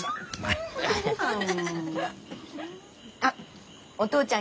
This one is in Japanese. あっお父ちゃん